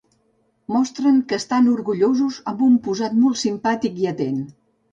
Mostren que estan orgullosos amb un posat molt simpàtic i atent.